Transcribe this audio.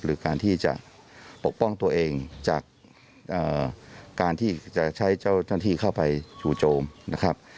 หรือการที่จะปกป้องตัวเองจากการที่จะใช้เจ้าหน้าที่เข้าไปชูโจมนะครับ